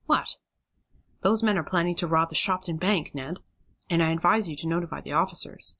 "What?" "Those men are planning to rob the Shopton Bank, Ned! And I advise you to notify the officers.